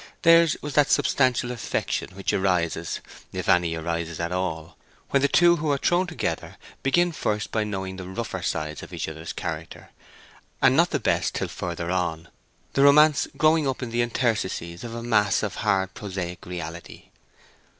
Theirs was that substantial affection which arises (if any arises at all) when the two who are thrown together begin first by knowing the rougher sides of each other's character, and not the best till further on, the romance growing up in the interstices of a mass of hard prosaic reality.